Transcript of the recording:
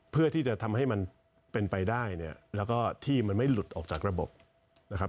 เพื่อที่จะทำให้มันเป็นไปได้และที่มันไม่หลุดออกจากระบบ